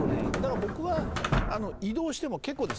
僕は移動しても結構です。